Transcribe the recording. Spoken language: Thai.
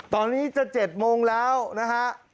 ตอนนี้จะ๗โมงแล้วนะฮะ